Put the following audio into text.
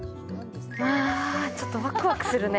わぁ、ちょっとワクワクするね。